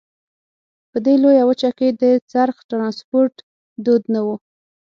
په دې لویه وچه کې د څرخ ټرانسپورت دود نه وو.